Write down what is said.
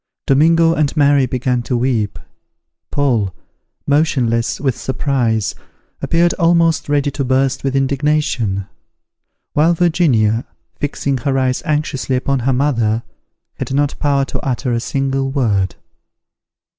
Domingo and Mary began to weep. Paul, motionless with surprise, appeared almost ready to burst with indignation; while Virginia, fixing her eyes anxiously upon her mother, had not power to utter a single word.